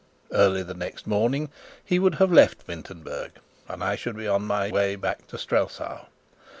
Early the next morning he would have left Wintenberg, and I should be on my way back to Strelsau.